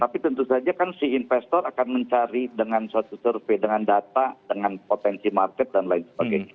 tapi tentu saja kan si investor akan mencari dengan suatu survei dengan data dengan potensi market dan lain sebagainya